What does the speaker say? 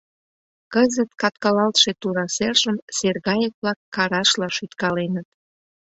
Кызыт каткалалтше тура сержым сергайык-влак карашла шӱткаленыт.